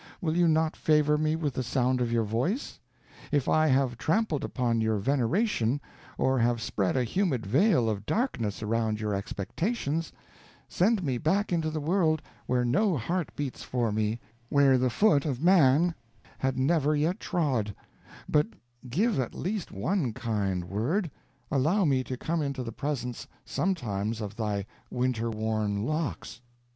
Will you not favor me with the sound of your voice? If I have trampled upon your veneration, or have spread a humid veil of darkness around your expectations, send me back into the world, where no heart beats for me where the foot of man had never yet trod; but give me at least one kind word allow me to come into the presence sometimes of thy winter worn locks."